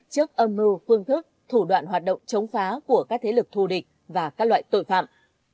trước âm mưu phương thức thủ đoạn hoạt động chống phá của các thế lực thù địch và các loại tội phạm